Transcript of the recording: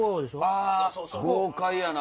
あ豪快やな！